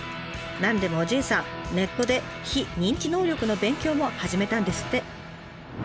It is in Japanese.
なんでもおじいさんネットで非認知能力の勉強も始めたんですって。